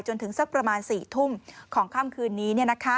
สักประมาณ๔ทุ่มของค่ำคืนนี้